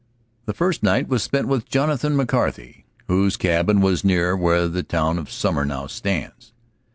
The first night was spent with Jonathan McCarty, whose cabin was near where the town of Sumner now stands.